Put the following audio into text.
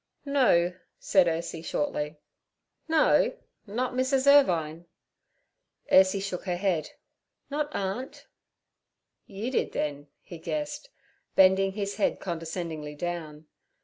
'No' said Ursie shortly. 'No? Not Mrs. Irvine?' Ursie shook her head. 'Not aunt.' 'You did then' he guessed, bending his head condescendingly down.